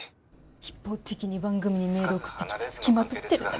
一方的に番組にメール送ってきて付きまとってるだけなのに。